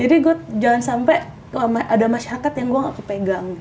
jadi jangan sampe ada masyarakat yang gue gak kepegang